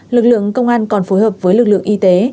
lực lượng công an còn phối hợp với lực lượng y tế